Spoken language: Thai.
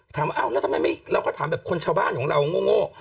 ถามว่าอ้าวแล้วทำไมเราก็ถามแบบคนชาวบ้านของเราโง่